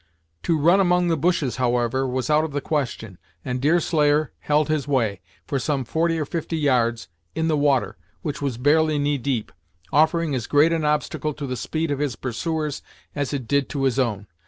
To run among the bushes, however, was out of the question, and Deerslayer held his way, for some forty or fifty yards, in the water, which was barely knee deep, offering as great an obstacle to the speed of his pursuers as it did to his own.